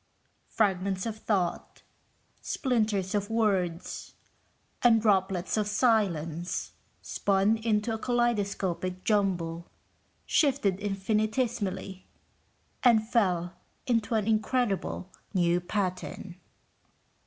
Fragments of thought, splinters of words, and droplets of silence spun into a kaleidoscopic jumble, shifted infinitesimally, and fell into an incredible new pattern.